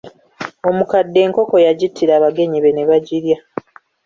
Omukadde enkoko yagittira abagenyi be ne bagirya.